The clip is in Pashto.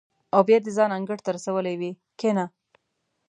او بیا دې ځان انګړ ته رسولی وي کېنه.